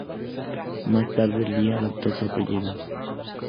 Más tarde Li adoptó su apellido.